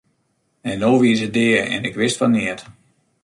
En no wie se dea en ik wist fan neat!